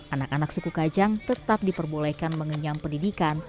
anak anak suku kajang tetap diperbolehkan mengenyam pendidikan